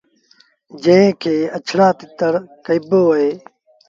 جݩهݩ کي اَڇڙآ تتر ڪهيبو اهي۔